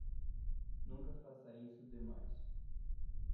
Nunca faça isso demais.